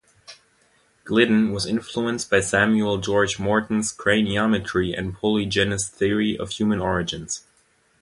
Gliddon was influenced by Samuel George Morton's craniometry and polygenist theory of human origins.